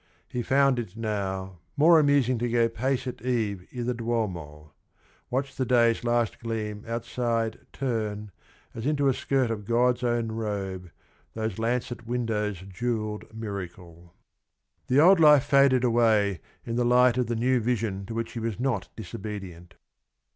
He found it now " more amusing to go pace at eve I' the Duomo, — watch the day's last gleam outside Turn, as into a skirt of God's own robe Those lancet windows' jewelled miracle." The old life faded away in the light of the new vision to which he was not disobedient.